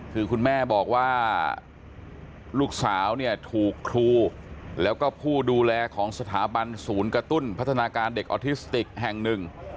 คือคุณแม่บอกว่าลูกสาวเนี่ยถูกครูแล้วก็ผู้ดูแลของสถาบันศูนย์กระตุ้นพัฒนาการเด็กออทิสติกแห่งหนึ่ง